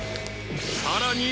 ［さらに。